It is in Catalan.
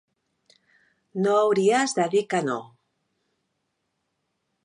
No hauries de dir que no.